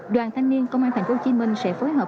đoàn thanh niên công an thành phố hồ chí minh sẽ phối hợp